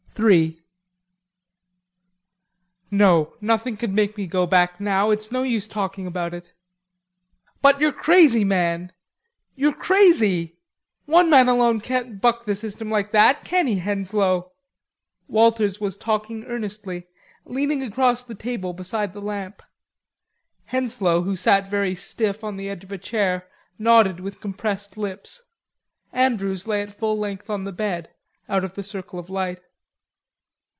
III "No, nothing can make me go back now. It's no use talking about it." "But you're crazy, man. You're crazy. One man alone can't buck the system like that, can he, Henslowe?" Walters was talking earnestly, leaning across the table beside the lamp. Henslowe, who sat very stiff on the edge of a chair, nodded with compressed lips. Andrews lay at full length on the bed, out of the circle of light.